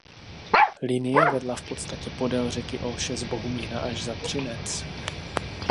Linie vedla v podstatě podél řeky Olše z Bohumína až za Třinec.